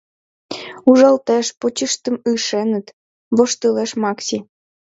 Ужалтеш, почыштым ишеныт, — воштылеш Макси.